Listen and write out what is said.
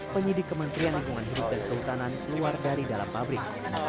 penyidik kementerian lingkungan hidup dan kehutanan keluar dari dalam pabrik